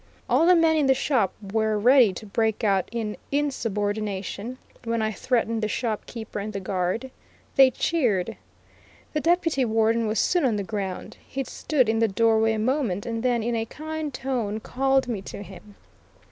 All the men in the shop were ready to break out in insubordination; when I threatened the shop keeper and the guard, they cheered; the Deputy Warden was soon on the ground; he stood in the doorway a moment, and then, in a kind tone called me to him.